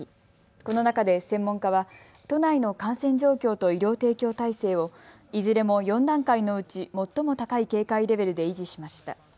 この中で専門家は都内の感染状況と医療提供体制をいずれも４段階のうち最も高い警戒レベルで維持しました。